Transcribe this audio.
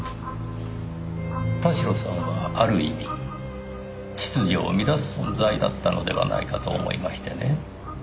田代さんはある意味秩序を乱す存在だったのではないかと思いましてね。